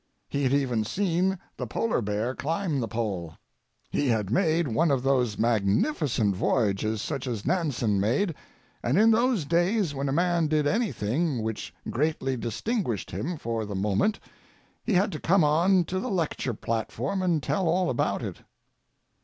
He had even seen the polar bear climb the pole. He had made one of those magnificent voyages such as Nansen made, and in those days when a man did anything which greatly distinguished him for the moment he had to come on to the lecture platform and tell all about it.